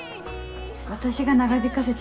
私が長引かせちゃって。